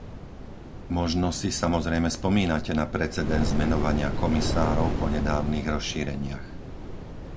Možno si, samozrejme, spomínate na precedens menovania komisárov po nedávnych rozšíreniach.